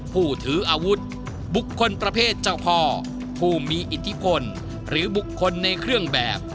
ผู้ถืออาวุธบุคคลประเภทเจ้าพ่อผู้มีอิทธิพลหรือบุคคลในเครื่องแบบ